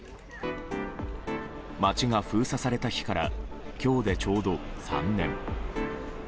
街が封鎖された日から今日でちょうど３年。